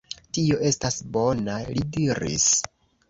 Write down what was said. Tio estas bona, li diris.